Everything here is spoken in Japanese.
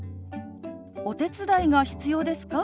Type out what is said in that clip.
「お手伝いが必要ですか？」。